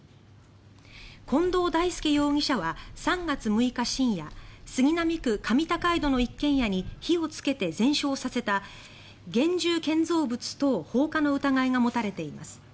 近藤大輔容疑者は３月６日深夜杉並区上高井戸の一軒家に火をつけて全焼させた現住建造物等放火の疑いが持たれています。